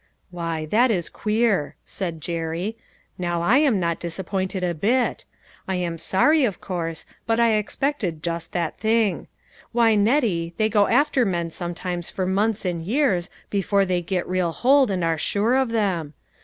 " Why, that is queer," said Jerry. " Now I PLEASURE AND DISAPPOINTMENT. 197 am not disappointed a bit. I am sorry, of course, but I expected just that thing. Why, Nettie, they go after tnen sometimes for months and years before they get real hold and are sure of them.